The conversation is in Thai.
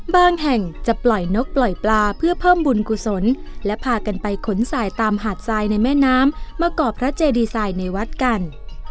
แห่งจะปล่อยนกปล่อยปลาเพื่อเพิ่มบุญกุศลและพากันไปขนสายตามหาดทรายในแม่น้ำมาก่อพระเจดีไซน์ในวัดกัน